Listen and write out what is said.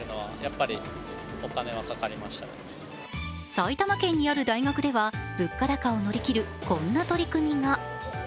埼玉県にある大学では物価高を乗り切るこんな取り組みが。